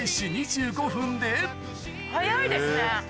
早いですね。